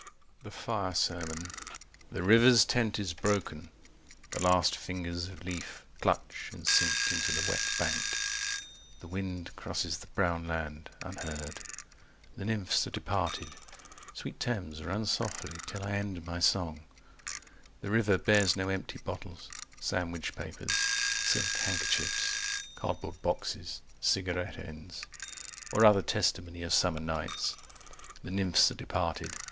III. THE FIRE SERMON The river's tent is broken: the last fingers of leaf Clutch and sink into the wet bank. The wind Crosses the brown land, unheard. The nymphs are departed. 175 Sweet Thames, run softly, till I end my song. The river bears no empty bottles, sandwich papers, Silk handkerchiefs, cardboard boxes, cigarette ends Or other testimony of summer nights. The nymphs are departed.